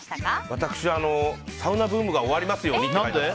私はサウナブームが終わりますようにって。